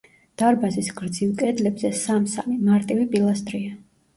დარბაზის გრძივ კედლებზე სამ-სამი, მარტივი პილასტრია.